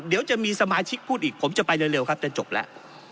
เดี๋ยวจะมีสมาชิกพูดอีกผมจะไปเร็วครับจะจบแล้ว